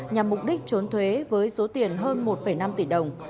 nhằm mục đích trốn thuế với số tiền hơn một năm tỷ đồng